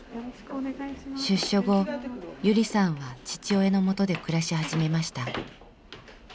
出所後ゆりさんは父親のもとで暮らし始めました。